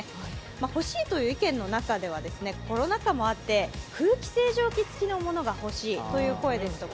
欲しいという意見の中では、コロナ禍でもあって、空気清浄機付きのものが欲しいという声ですとか